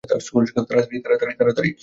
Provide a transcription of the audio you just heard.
তাড়াতাড়ি, তাড়াতাড়ি, তাড়াতাড়ি, তাড়াতাড়ি!